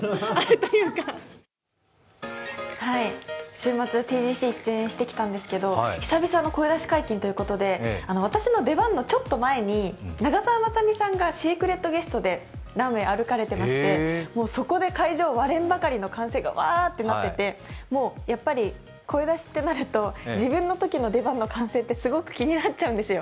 週末、ＴＧＣに出演してきたんですけど、久々の声出し解禁ということで、私の出番のちょっと前に長澤まさみさんがシークレットゲストでランウェイを歩かれてまして、そこで会場、割れんばかりの歓声がわーってなってて声出しってなると、自分のときの出番の歓声ってすごく気になっちゃうんですよ。